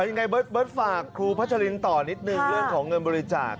ยังไงเบิร์ตฝากครูพัชรินต่อนิดนึงเรื่องของเงินบริจาค